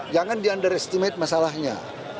jangan di under estimate masalahnya